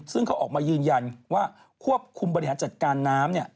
ซึ่งเขาออกมายืนยันว่าควบคุมบริหารจัดการน้ำ